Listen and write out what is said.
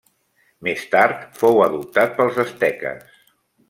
Més tard fou adoptat pels asteques.